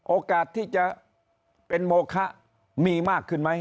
โอกาสที่จะเป็นโมคะมีมากขึ้นไหม